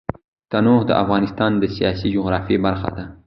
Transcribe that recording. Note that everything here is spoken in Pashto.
تنوع د افغانستان د سیاسي جغرافیه برخه ده.